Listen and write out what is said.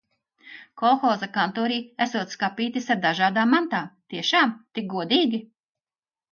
Kolhoza kantorī esot skapītis ar dažādām mantām. Tiešām? Tik godīgi?